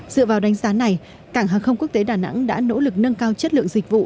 dựa vào đánh giá này cảng hàng không quốc tế đà nẵng đã nỗ lực nâng cao chất lượng dịch vụ